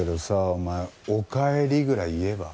お前「おかえり」ぐらい言えば？